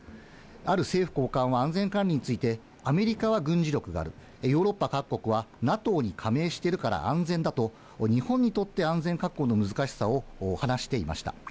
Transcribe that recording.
ある政府高官は、安全管理について、アメリカは軍事力がある、ヨーロッパ各国はＮＡＴＯに加盟しているから安全だと日本にとって安全確保の難しさを話していました。